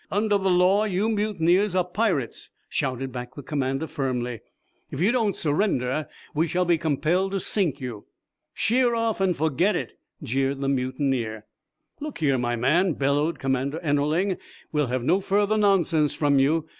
"Under the law you mutineers are pirates," shouted back the commander, firmly. "If you don't surrender we shall be compelled to sink you." "Sheer off and forget it!" jeered the mutineer. "Look here, my man," bellowed Commander Ennerling, "we'll have no further nonsense from you.